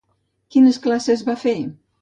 Quines classes va fer?